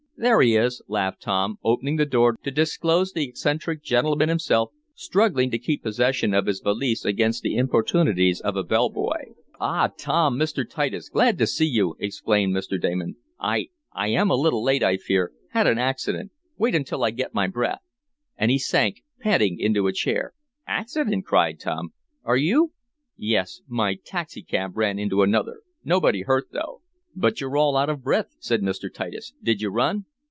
"There he is!" laughed Tom, opening the door to disclose the eccentric gentleman himself, struggling to keep possession of his valise against the importunities of a bellboy. "Ah, Tom Mr. Titus! Glad to see you!" exclaimed Mr. Damon. "I I am a little late, I fear had an accident wait until I get my breath," and he sank, panting, into a chair. "Accident?" cried Tom. "Are you ?" "Yes my taxicab ran into another. Nobody hurt though." "But you're all out of breath," said Mr. Titus. "Did you run?"